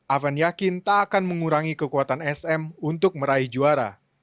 avan yakin tak akan mengurangi kekuatan sm untuk meraih juara